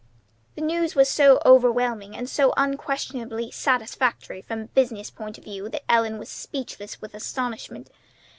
The news was so overwhelming and so unquestionably satisfactory from a business point of view that Ellen was speechless with astonishment.